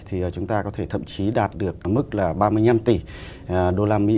thì chúng ta có thể thậm chí đạt được mức là ba mươi năm tỷ đô la mỹ